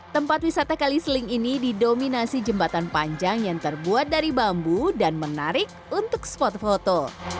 tempat wisata kali seling ini didominasi jembatan panjang yang terbuat dari bambu dan menarik untuk spot foto